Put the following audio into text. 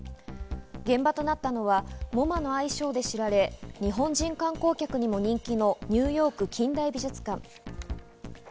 現場となったのはＭｏＭＡの愛称で知られ、日本人観光客にも人気のニューヨーク近代美術館。